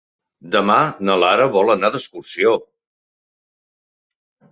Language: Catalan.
Demà na Lara vol anar d'excursió.